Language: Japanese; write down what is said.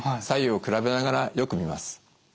左右を比べながらよく見ます。